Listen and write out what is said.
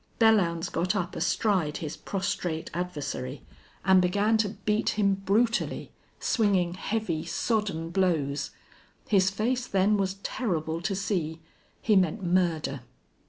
Belllounds got up astride his prostrate adversary and began to beat him brutally, swinging heavy, sodden blows. His face then was terrible to see. He meant murder.